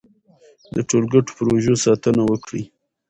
د ټولګټو پروژو ساتنه وکړئ.